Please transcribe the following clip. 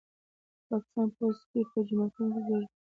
د پاکستان پوځ سپي په جوماتونو کي ګرځوي